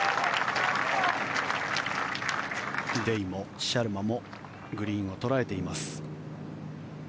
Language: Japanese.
デイもシャルマもグリーンを捉えています。